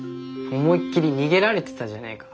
思いっきり逃げられてたじゃねえか。